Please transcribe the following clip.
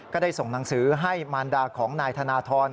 ก็ได้ส่งหนังสือให้มารดาของนายธนทร